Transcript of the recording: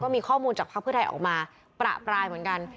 มีข้อมูลจากภาคเพื่อไทยออกมาประปรายเหมือนกัน